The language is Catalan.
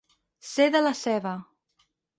Ser de la ceba.